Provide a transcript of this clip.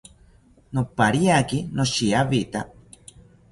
Nopariaki noshiawita